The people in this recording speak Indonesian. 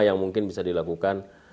yang mungkin bisa dilakukan